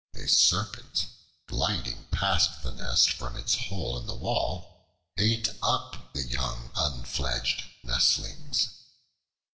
A Serpent gliding past the nest from its hole in the wall ate up the young unfledged nestlings.